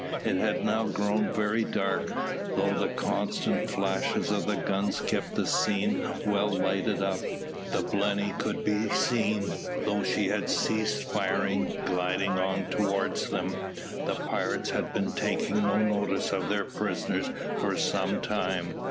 It had now grown very dark, though the constant flashes of the guns kept the scene well lighted up. The Blenny could be seen, though she had ceased firing, gliding on towards them. The pirates had been taking no notice of their prisoners for some time.